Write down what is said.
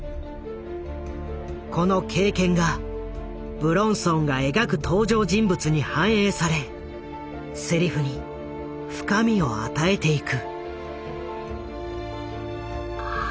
この経験が武論尊がえがく登場人物に反映されセリフに深みを与えていく。